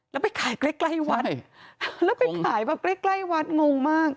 แล้วไปขายใกล้ใกล้วัดแล้วไปขายแบบใกล้ใกล้วัดงงมาก